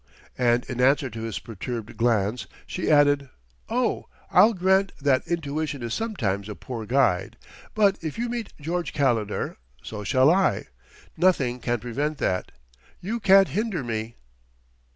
And in answer to his perturbed glance, she added: "Oh, I'll grant that intuition is sometimes a poor guide. But if you meet George Calendar, so shall I. Nothing can prevent that. You can't hinder me."